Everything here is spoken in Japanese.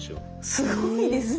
すごいですね。